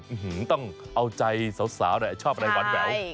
อื้อหือต้องเอาใจสาวหน่อยชอบอะไรวันแบบ